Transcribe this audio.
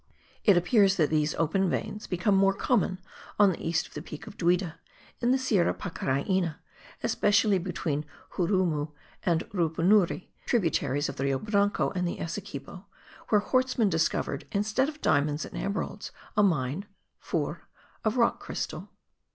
It appears that these open veins become more common on the east of the Peak of Duida, in the Sierra Pacaraina, especially between Xurumu and Rupunuri (tributaries of the Rio Branco and the Essequibo), where Hortsmann discovered, instead of diamonds* and emeralds, a mine (four) of rock crystal.